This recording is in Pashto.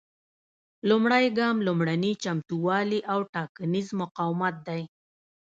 لومړی ګام لومړني چمتووالي او ټاکنیز مقاومت دی.